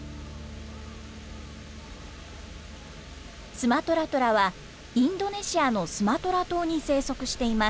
スマトラトラはインドネシアのスマトラ島に生息しています。